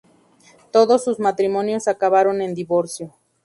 Todos sus matrimonios acabaron en divorcio.